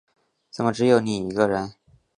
怎么只有你一个人